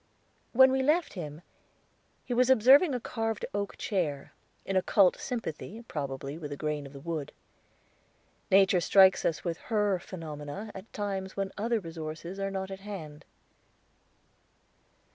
When we left him, he was observing a carved oak chair, in occult sympathy probably with the grain of the wood. Nature strikes us with her phenomena at times when other resources are not at hand.